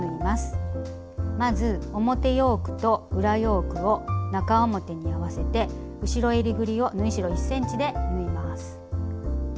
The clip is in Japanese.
まず表ヨークと裏ヨークを中表に合わせて後ろえりぐりを縫い代１ｃｍで縫います。